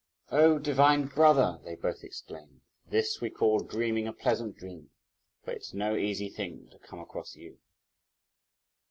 "Oh divine brother!" they both exclaimed, "this we call dreaming a pleasant dream, for it's no easy thing to come across you!"